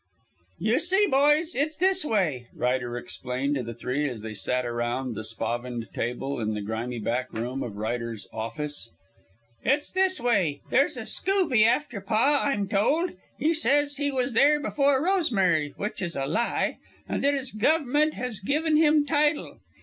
"You see, boys, it's this way," Ryder explained to the three as they sat around the spavined table in the grimy back room of Ryder's "office." "It's this way. There's a scoovy after Paa, I'm told; he says he was there before 'Rosemary,' which is a lie, and that his Gov'ment has given him title.